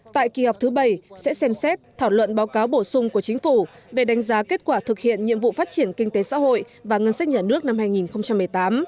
tại kỳ họp thứ bảy sẽ xem xét thảo luận báo cáo bổ sung của chính phủ về đánh giá kết quả thực hiện nhiệm vụ phát triển kinh tế xã hội và ngân sách nhà nước năm hai nghìn một mươi tám